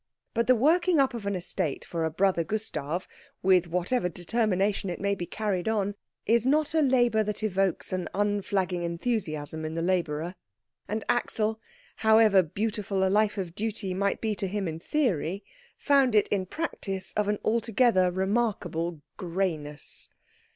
But the working up of an estate for a brother Gustav, with whatever determination it may be carried on, is not a labour that evokes an unflagging enthusiasm in the labourer; and Axel, however beautiful a life of duty might be to him in theory, found it, in practice, of an altogether remarkable greyness.